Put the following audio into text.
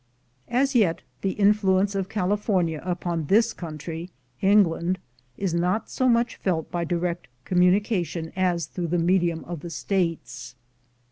As yet, the influence of California upon this country [England] is not so much felt by direct communi cation as through the medium of the States.